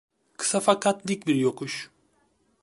Kısa fakat dik bir yokuş…